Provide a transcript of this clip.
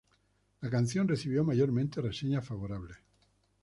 La canción recibió mayormente reseñas favorables.